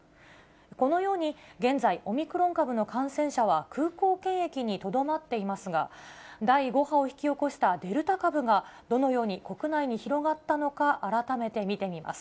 このように、現在、オミクロン株の感染者は、空港検疫にとどまっていますが、第５波を引き起こしたデルタ株がどのように国内に広がったのか、改めて見てみます。